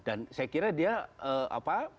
dan saya kira dia apa